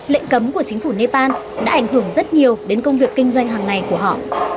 lệnh cấm của chính phủ nepal đã ảnh hưởng rất nhiều đến công việc kinh doanh hàng ngày của họ